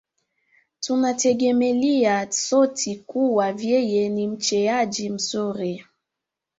Tunamtegemelya soti kuwa vyeye ni mcheaji mzuri